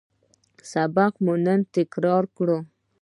سبق مو نن تکرار کړ